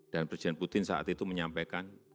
dan presiden putin saat itu menyampaikan